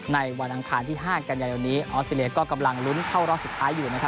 ในวันอังคารที่๕กันยายนนี้ออสเตรเลียก็กำลังลุ้นเข้ารอบสุดท้ายอยู่นะครับ